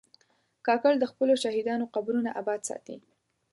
کاکړ د خپلو شهیدانو قبرونه آباد ساتي.